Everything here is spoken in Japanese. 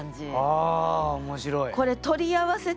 ああ面白い。